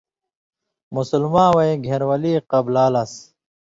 مسلماوَیں گھېن٘رولی قبلا لس۔